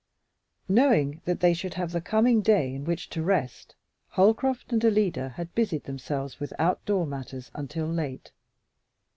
Knowing that they should have the coming day in which to rest, Holcroft and Alida had busied themselves with outdoor matters until late.